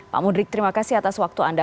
pak mudrik terima kasih atas waktu anda